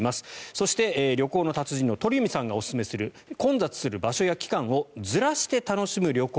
そして、旅行の達人の鳥海さんがおすすめする混雑する場所や期間をずらして楽しむ旅行。